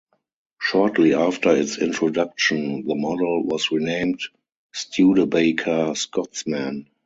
Shortly after its introduction, the model was renamed Studebaker Scotsman.